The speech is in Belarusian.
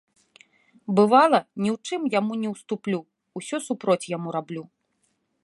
Бывала, ні ў чым яму не ўступлю, усё супроць яму раблю.